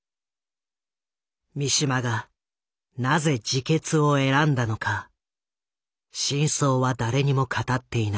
三島がなぜ自決を選んだのか真相は誰にも語っていない。